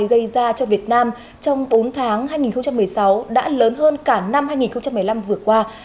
thiệt hại do thiên tai gây ra cho việt nam trong bốn tháng hai nghìn một mươi sáu đã lớn hơn cả năm hai nghìn một mươi năm vừa qua